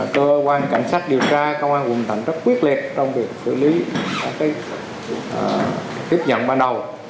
cơ quan cảnh sát điều tra công an quận thành rất quyết liệt trong việc xử lý các việc tiếp nhận ban đầu